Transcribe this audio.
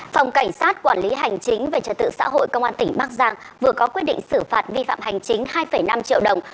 phòng cảnh sát quản lý hành chính về trật tự xã hội công an tỉnh bắc giang vừa có quyết định xử phạt vi phạm hành chính hai năm triệu đồng